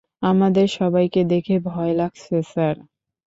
আপনাদের সবাইকে দেখে ভয় লাগছে, স্যার।